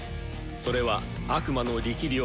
それは悪魔の力量